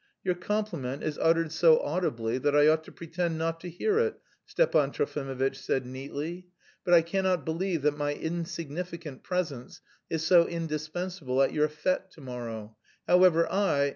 "Your compliment is uttered so audibly that I ought to pretend not to hear it," Stepan Trofimovitch said neatly, "but I cannot believe that my insignificant presence is so indispensable at your fête to morrow. However, I..."